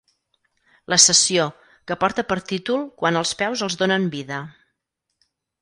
La sessió, que porta per títol Quan els peus els donen vida.